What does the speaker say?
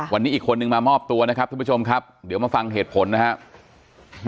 วันนี้อีกคนนึงมามอบตัวนะครับท่านผู้ชมครับเดี๋ยวมาฟังเหตุผลนะครับ